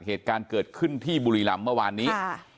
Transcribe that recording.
เหตุการณ์เกิดขึ้นที่บุรีรำเมื่อวานนี้